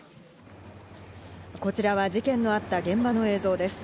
こちらは事件のあった現場の映像です。